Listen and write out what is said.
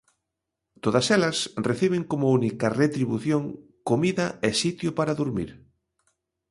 Todas elas reciben como única retribución comida e sitio para durmir.